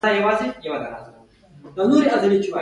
مجاهد د فتنو پر وړاندې ودریږي.